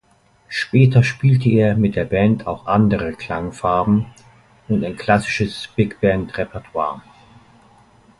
Später spielte er mit der Band auch andere Klangfarben und ein klassisches Big-Band-Repertoire.